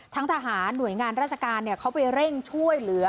ทหารหน่วยงานราชการเขาไปเร่งช่วยเหลือ